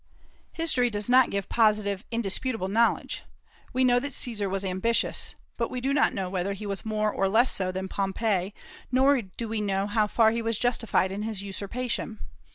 History does not give positive, indisputable knowledge. We know that Caesar was ambitious; but we do not know whether he was more or less so than Pompey, nor do we know how far he was justified in his usurpation.